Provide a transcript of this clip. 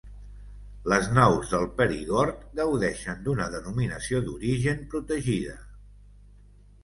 Les nous del Perigord gaudeixen d'una Denominació d'Origen protegida.